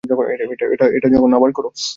এটা জঘন্য, আবার করো।